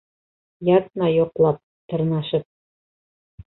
Ятма йоҡлап, тырнашып.